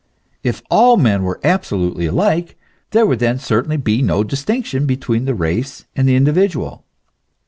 If all men were absolutely alike, there would then certainly be no distinction between the race and the individual.